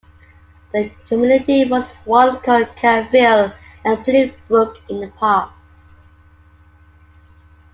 The community was once called "Caryville" and "Plain Brook" in the past.